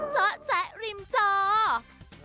สวัสดีครับทุกคน